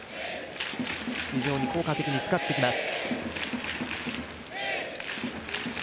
非常に効果的に使ってきます。